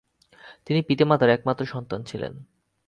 তিনি পিতামাতার একমাত্র সন্তান ছিলেন।